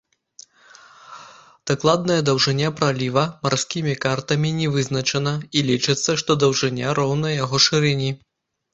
Дакладная даўжыня праліва марскім картамі не вызначана і лічыцца, што даўжыня роўная яго шырыні.